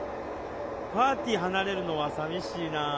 パーティー離れるのはさみしいなあ。